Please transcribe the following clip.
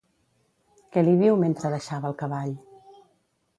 Què li diu mentre deixava el cavall?